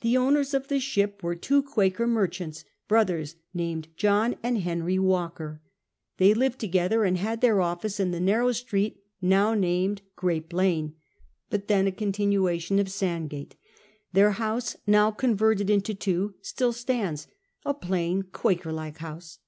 The owners of the ship were two Quaker merchants, brothers, named John and Henry AValkcr. They lived together, and had their office in the narrow street now named Grape Lane, but then a continuation of Sandgate. Their house, now converted into two, still stands — a plain. Quaker like house.